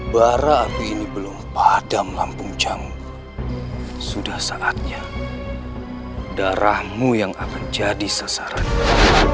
bara api ini belum padam lampung jam sudah saatnya darahmu yang akan jadi sasarannya